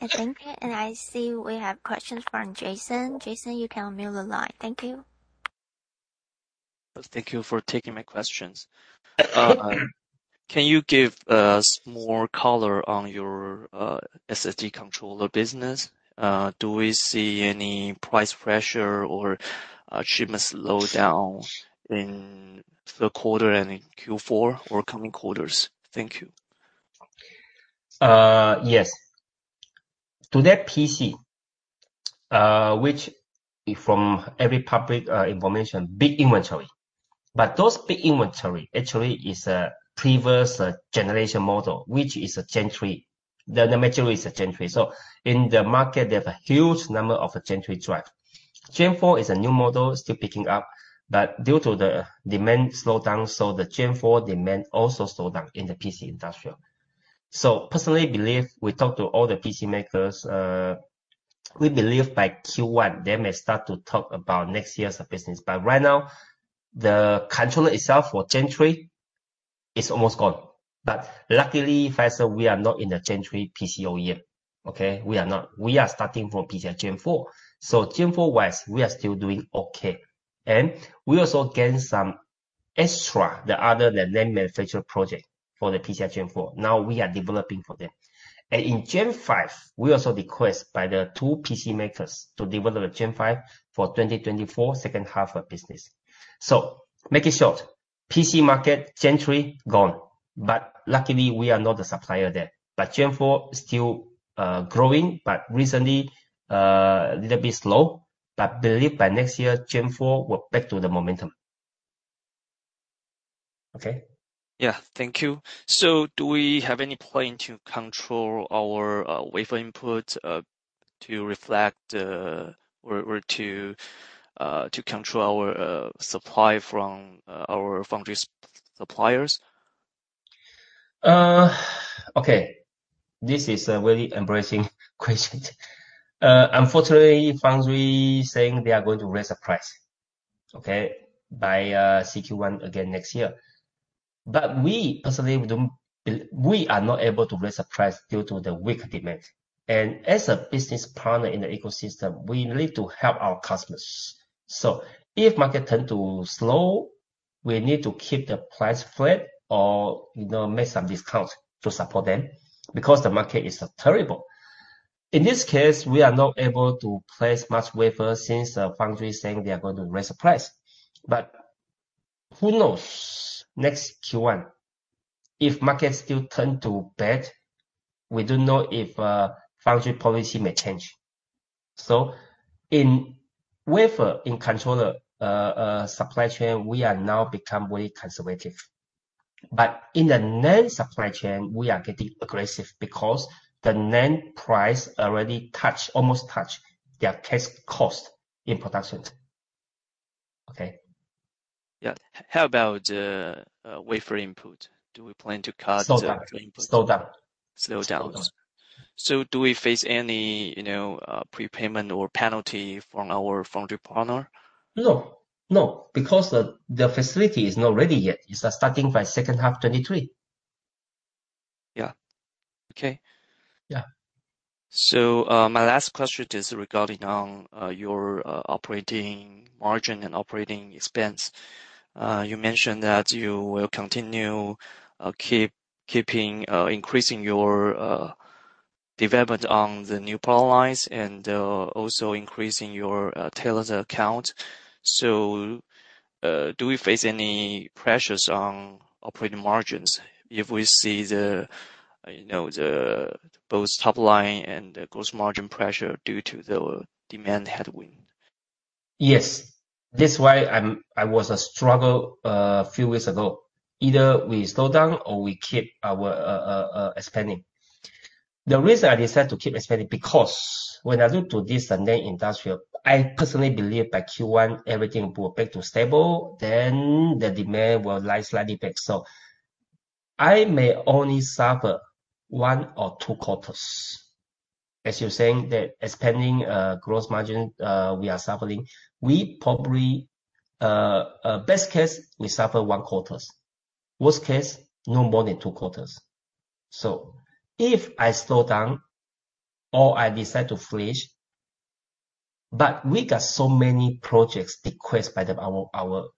Thank you. I see we have questions from Jason. Jason, you can unmute the line. Thank you. Thank you for taking my questions. Can you give us more color on your SSD controller business? Do we see any price pressure or achievement slow down in third quarter and in Q4 or coming quarters? Thank you. Yes. To that PC, which from every public information, big inventory. Those big inventory actually is a previous generation model, which is a PCIe Gen3. The material is a PCIe Gen3. In the market, they have a huge number of PCIe Gen3 drive. Gen4 is a new model, still picking up, but due to the demand slowdown, the PCIe Gen4 demand also slow down in the PC industry. Personally believe, we talked to all the PC makers, we believe by Q1, they may start to talk about next year's business. Right now, the controller itself for PCIe Gen3 is almost gone. Luckily, Phison, we are not in the PCIe Gen3 PC OEM. Okay. We are not. We are starting from PC PCIe Gen4. PCIe Gen4 wise, we are still doing okay. We also gain some extra NAND manufacturer project for the PC PCIe Gen4. Now we are developing for them. In PCIe Gen5, we also requested by the two PC makers to develop the PCIe Gen5 for 2024, second half of business. To make it short, PC market, PCIe Gen3, gone. Luckily we are not a supplier there. PCIe Gen4 still growing, but recently a little bit slow. I believe by next year, PCIe Gen4 will be back to the momentum. Okay? Yeah. Thank you. Do we have any plan to control our wafer input to reflect or to control our supply from our foundry suppliers? This is a very embarrassing question. Unfortunately, foundry saying they are going to raise the price by Q1 again next year. We personally, we are not able to raise the price due to the weak demand. As a business partner in the ecosystem, we need to help our customers. If market turn to slow, we need to keep the price flat or, you know, make some discounts to support them because the market is terrible. In this case, we are not able to place much wafer since foundry is saying they are going to raise the price. Who knows, next Q1, if markets still turn to bad, we don't know if foundry policy may change. In wafer, in controller, supply chain, we are now become very conservative. In the NAND supply chain, we are getting aggressive because the NAND price already almost touches their cash cost in production. Okay. Yeah. How about wafer input? Do we plan to cut the input? Slow down. Slow down. Slow down. Slow down. Do we face any, you know, prepayment or penalty from our foundry partner? No. No, because the facility is not ready yet. It's starting by second half 2023. Yeah. Okay. Yeah. My last question is regarding your operating margin and operating expense. You mentioned that you will continue increasing your development on the new product lines and also increasing your tailored account. Do we face any pressures on operating margins if we see you know the both top line and the gross margin pressure due to the demand headwind? Yes. This is why I was struggling a few weeks ago. Either we slow down or we keep expanding. The reason I decide to keep expanding is because when I look to this NAND industry, I personally believe by Q1 everything will go back to stable, then the demand will rise slightly back. I may only suffer one or two quarters. As you're saying that expanding, gross margin, we are suffering, we probably, best case, we suffer one quarter. Worst case, no more than two quarters. If I slow down or I decide to freeze, but we got so many project requests by our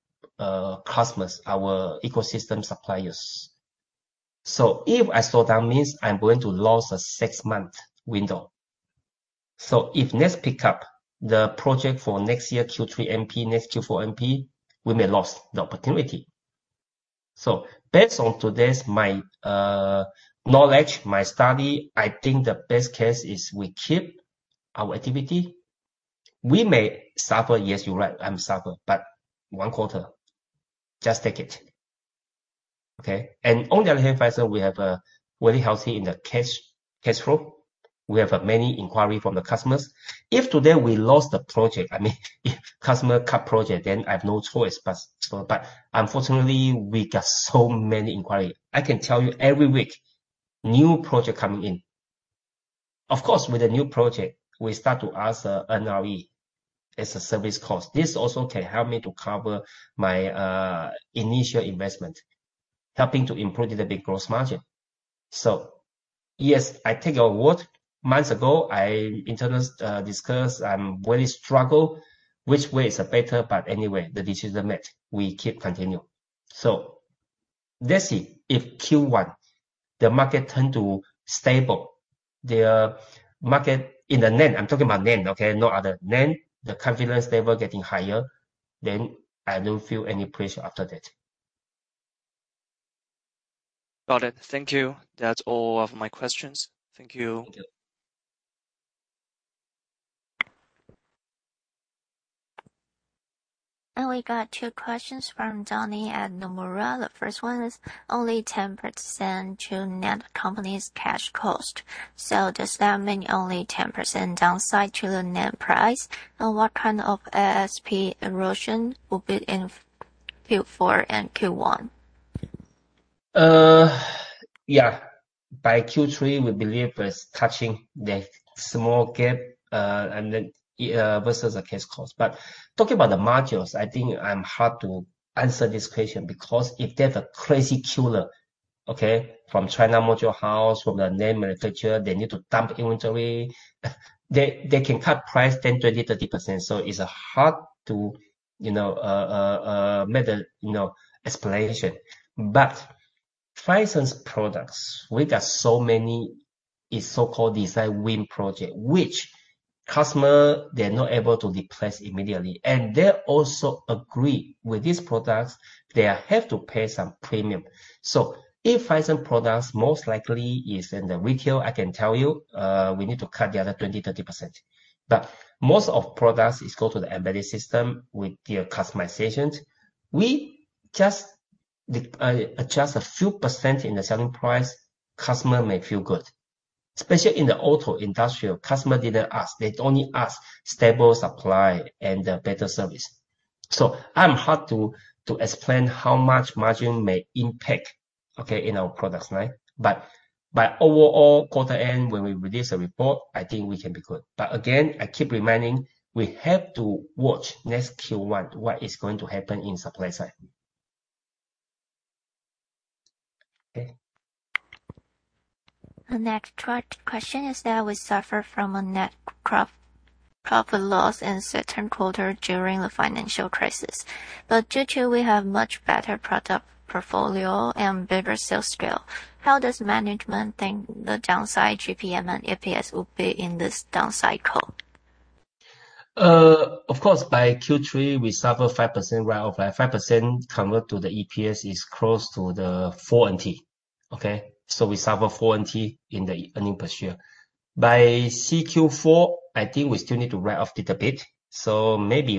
customers, our ecosystem suppliers. If I slow down, means I'm going to lose a six-month window. If next pick up the project for next year, Q3 MP, next Q4 MP, we may lose the opportunity. Based on today's my knowledge, my study, I think the best case is we keep our activity. We may suffer, yes, you're right, I suffer, but one quarter. Just take it. Okay. On the other hand, Phison, we have a very healthy cash flow. We have many inquiries from the customers. If today we lost the project, I mean, if customer cut project, then I have no choice, but unfortunately we got so many inquiries. I can tell you every week, new project coming in. Of course, with the new project, we start to ask NRE as a service cost. This also can help me to cover my initial investment, helping to improve the big gross margin. Yes, I take your word. Months ago, I internally discussed where the struggle is, which way is better. Anyway, the decision made, we keep continuing. Let's see if Q1, the market turns stable. The market in the NAND, I'm talking about NAND, okay? No other. NAND, the confidence level getting higher, then I don't feel any pressure after that. Got it. Thank you. That's all of my questions. Thank you. Thank you. We got two questions from Donnie Teng at Nomura. The first one is only 10% to NAND company's cash cost. Does that mean only 10% downside to the NAND price? What kind of ASP erosion will be in Q4 and Q1? Yeah. By Q3, we believe it's touching the small gap, and then, versus the cash cost. Talking about the modules, I think I'm hard to answer this question because if they have a crazy killer, okay, from China module house, from the NAND manufacturer, they need to dump inventory. They can cut price 10%, 20%, 30%. It's hard to, you know, make a you know explanation. Phison's products, we got so many is so-called design win project, which customer, they're not able to replace immediately. They also agree with these products, they have to pay some premium. If Phison products most likely is in the retail, I can tell you, we need to cut the other 20%, 30%. Most of products is go to the embedded system with their customizations. We just adjust a few percent in the selling price. Customer may feel good. Especially in the auto industry, customer didn't ask. They only ask stable supply and better service. I'm hard to explain how much margin may impact, okay, in our products, right? By overall quarter end, when we release a report, I think we can be good. Again, I keep reminding, we have to watch next Q1, what is going to happen in supply side. Okay. The next question is that we suffer from a net profit loss in certain quarter during the financial crisis. Due to we have much better product portfolio and better sales scale, how does management think the downside GPM and EPS will be in this down cycle? Of course, by Q3, we suffer 5% write-off. 5% convert to the EPS is close to 4 NT (New Taiwan Dollar). We suffer 4 NT (New Taiwan Dollar) in earnings per share. By Q4, I think we still need to write off a little bit, so maybe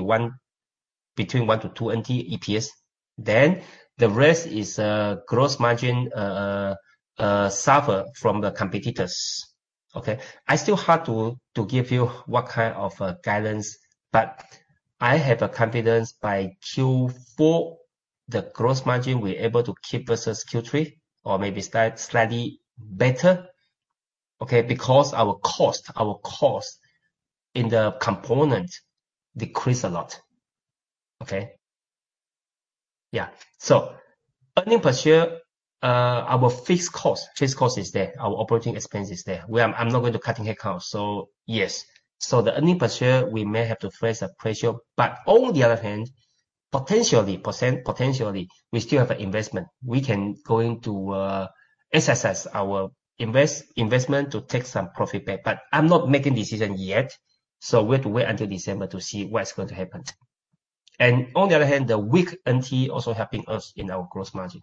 between 1-2 NT (New Taiwan Dollar) EPS. The rest is gross margin suffer from the competitors. It's still hard to give you what kind of guidance, but I have confidence by Q4, the gross margin we're able to keep versus Q3 or maybe slightly better. Because our cost in the component decreases a lot. Earnings per share, our fixed cost is there, our operating expense is there. I'm not going to cut headcounts. Yes. The earnings per share, we may have to face pressure. On the other hand, potentially, we still have an investment. We can go in to assess our investment to take some profit back. I'm not making decision yet, so we have to wait until December to see what's going to happen. On the other hand, the weak NT also helps us in our gross margin.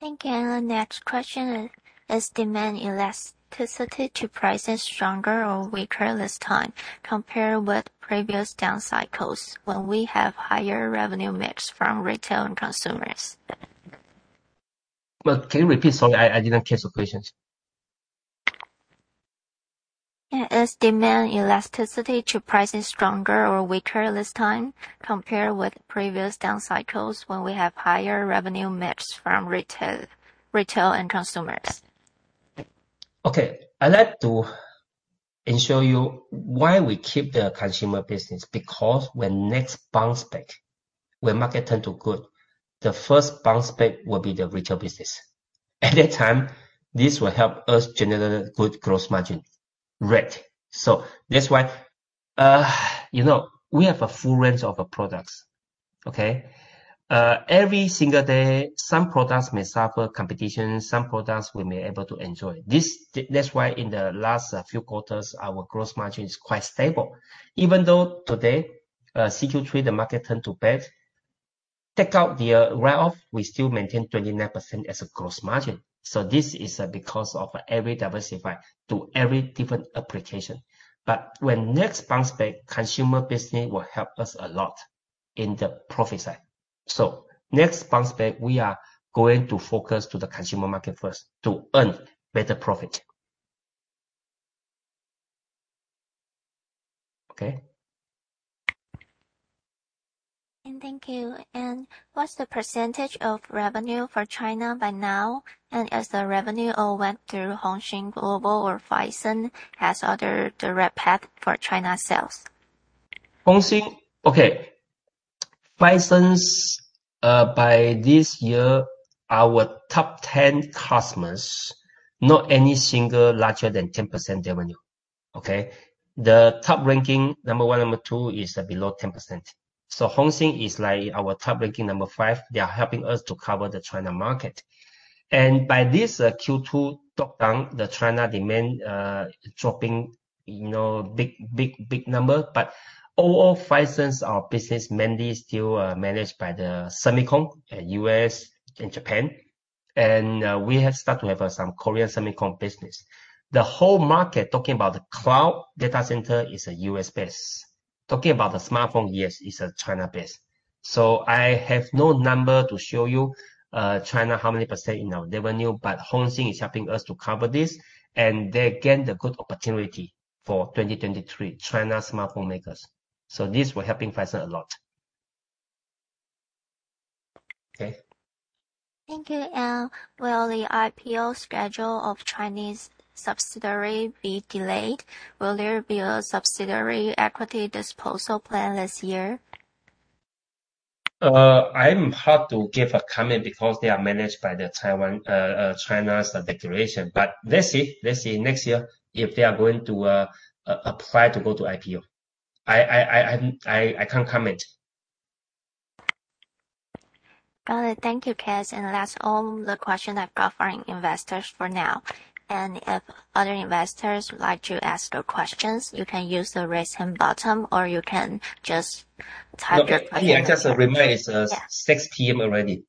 Thank you. Next question is demand elasticity to prices stronger or weaker this time compared with previous down cycles when we have higher revenue mix from retail and consumers? Well, can you repeat? Sorry, I didn't catch the question. Is demand elasticity to prices stronger or weaker this time compared with previous down cycles when we have higher revenue mix from retail and consumers? Okay. I'd like to explain to you why we keep the consumer business. When next bounce back, when market turn to good, the first bounce back will be the retail business. At that time, this will help us generate good gross margin rate. That's why, you know, we have a full range of products. Okay? Every single day, some products may suffer competition, some products we may be able to enjoy. That's why in the last few quarters, our gross margin is quite stable. Even though today, Q3, the market turned to bad, take out the write-off, we still maintain 29% as a gross margin. This is because of every diversify to every different application. When next bounce back, consumer business will help us a lot in the profit side. Next bounce back, we are going to focus to the consumer market first to earn better profit. Okay? Thank you. What's the percentage of revenue for China by now? As the revenue all went through Hosin-Global or Phison has other direct path for China sales. Hosin. Okay. Phison's by this year, our top 10 customers, not any single larger than 10% revenue. Okay? The top-ranking number one, number two is below 10%. Hosin is like our top-ranking number five. They are helping us to cover the China market. By this, Q2 top down, the China demand dropping, you know, big number. Overall, Phison's, our business mainly still managed by the semicon U.S. and Japan. We have started to have some Korean semicon business. The whole market talking about the cloud data center is U.S.-based. Talking about the smartphone, yes, it's China-based. I have no number to show you, China how many % in our revenue, but Hosin is helping us to cover this and they gain the good opportunity for 2023 China smartphone makers. This will help Phison a lot. Okay. Thank you. Will the IPO schedule of Chinese subsidiary be delayed? Will there be a subsidiary equity disposal plan this year? It's hard to give a comment because they are managed by the Taiwan and China's declaration. Let's see next year if they are going to apply to go to IPO. I can't comment. Got it. Thank you, K.S. That's all the question I've got from investors for now. If other investors would like to ask their questions, you can use the Raise Hand button, or you can just type it. Okay. Yeah, just a reminder, it's 6:00 P.M. already.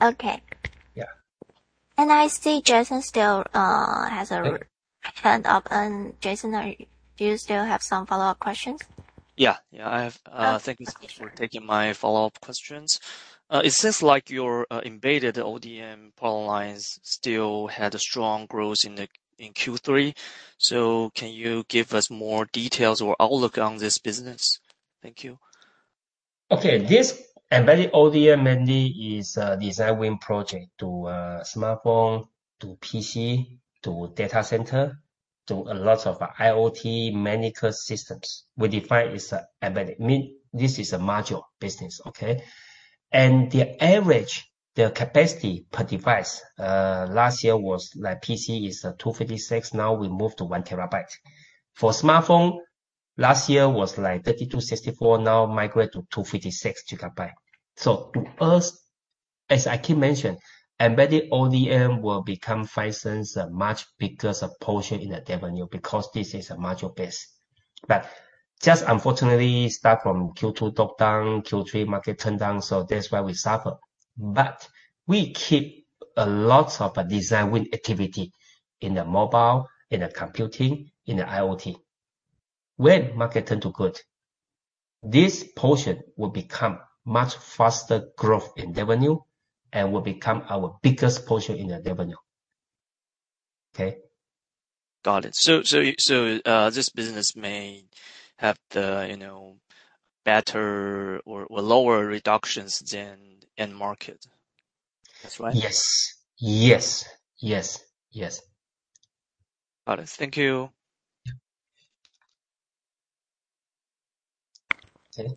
Okay. Yeah. I see Jason still has a raised hand up. Jason, do you still have some follow-up questions? Yeah. Yeah, I have. Thank you for taking my follow-up questions. It seems like your embedded ODM power lines still had a strong growth in Q3. Can you give us more details or outlook on this business? Thank you. Okay. This embedded ODM mainly is a design win project to smartphone, to PC, to data center, to a lot of IoT medical systems. We define it as an embedded. I mean, this is a module business, okay? The average, the capacity per device, last year was like PC is 256, now we moved to 1 TB. For smartphone, last year was like 32-64, now migrate to 256 GB. To us, as I keep mentioning, embedded ODM will become Phison's much bigger portion in the revenue because this is a module base. Just unfortunately, start from Q2 top-down, Q3 market turn down, so that's why we suffer. We keep a lot of design win activity in the mobile, in the computing, in the IoT. When market turn to good, this portion will become much faster growth in revenue and will become our biggest portion in the revenue. Okay? Got it. This business may have the, you know, better or lower reductions than end market. That's right? Yes. Got it. Thank you. Okay.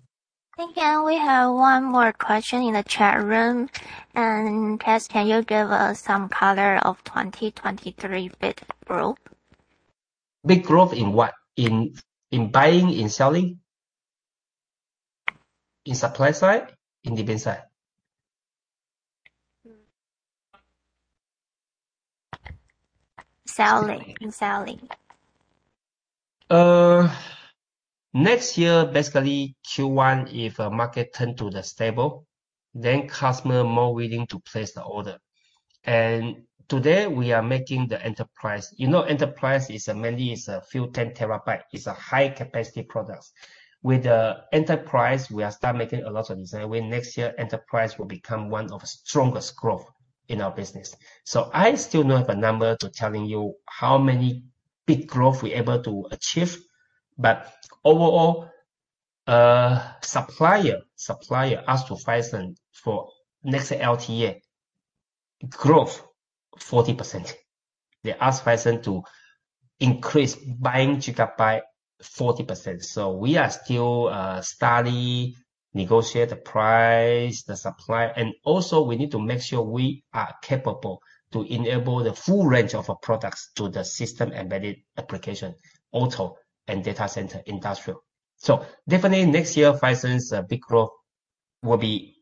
Thank you. We have one more question in the chat room. K.S., can you give us some color on 2023 bit growth? Bit growth in what? In buying, in selling? In supply side? In demand side? In selling. Next year, basically Q1, if market turn to the stable, then customer more willing to place the order. Today we are making the enterprise. You know, enterprise is mainly a few 10 Tb high capacity products. With the enterprise, we are starting making a lot of design win. Next year, enterprise will become one of strongest growth in our business. I still don't have a number to tell you how many bit growth we're able to achieve, but overall, supplier ask Phison for next LTA, growth 40%. They ask Phison to increase buying GIGABYTE 40%. We are still studying, negotiating the price, the supply, and also we need to make sure we are capable to enable the full range of products to the system embedded application, auto and data center industrial. Definitely next year, Phison's bit growth will be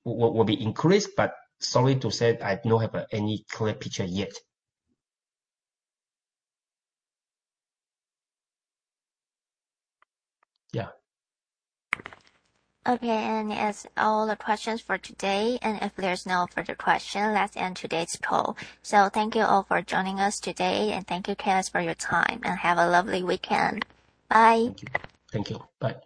increased, but sorry to say I don't have any clear picture yet. Yeah. Okay. That's all the questions for today. If there's no further question, let's end today's call. Thank you all for joining us today. Thank you, K.S., for your time. Have a lovely weekend. Bye. Thank you. Bye.